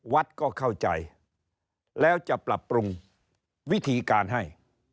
วัดก็เข้าใจแล้วจะปรับปรุงวิธีการให้